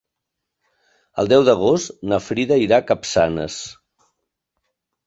El deu d'agost na Frida irà a Capçanes.